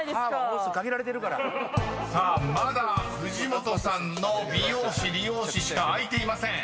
［さあまだ藤本さんの「美容師・理容師」しか開いていません］